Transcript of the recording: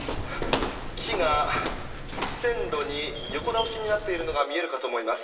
木が、線路に横倒しになっているのが見えるかと思います。